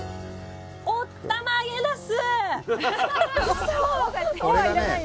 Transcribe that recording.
おったまげなす！